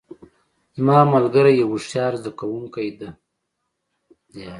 زما ملګری یو هوښیار زده کوونکی ده